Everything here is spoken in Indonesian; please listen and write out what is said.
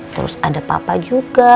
terus ada papa juga